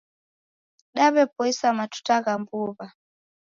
Daw'epoisa matuta gha mbuw'a